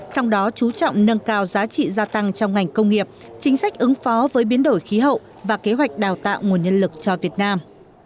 trong đó chú trọng nâng cao giá trị gia tăng trong ngành công nghiệp chính sách ứng phó với biến đổi khí hậu và kế hoạch đào tạo nguồn nhân lực cho việt nam